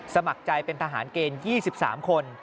สมัครใจเป็นทหารเกณฑ์๒๓คน